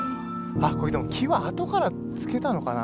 これでも木は後から付けたのかな？